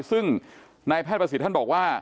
ซึ่งนายแพทย์ประสิทธิ์ท่านบอกว่า